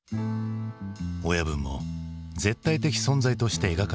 親分も絶対的存在として描かれない。